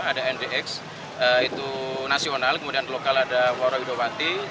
ada ndx itu nasional kemudian lokal ada wara widowati